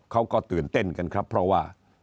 เขาก็ตื่นเต้นกันครับเพราะว่า